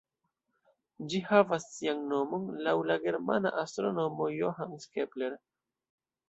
Ĝi havas sian nomon laŭ la germana astronomo Johannes Kepler.